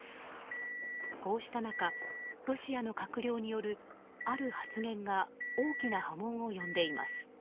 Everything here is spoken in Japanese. こうした中、ロシアの閣僚によるある発言が大きな波紋を呼んでいます。